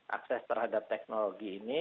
akses terhadap teknologi ini